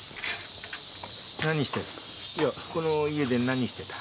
何してる？